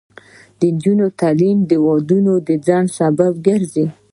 د نجونو تعلیم د ودونو ځنډ سبب ګرځي.